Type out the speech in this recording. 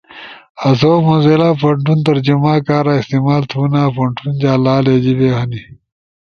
آسو موزیلا پونٹون ترجمہ کارا استعمال تھونا۔ پونٹون جا لالے جیِنے ہنے۔